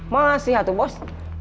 masih atu bos